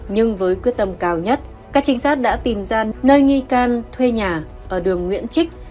nhưng với quyết tâm cao nhất các trinh sát đã tìm ra nơi nghi can thuê nhà ở đường nguyễn trích